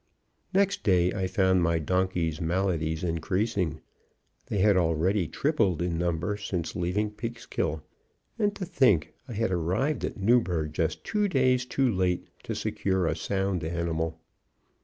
Next day I found my donkey's maladies increasing. They had already tripled in number since leaving Peekskill; and, to think, I had arrived at Newburg just two days too late to secure a sound animal.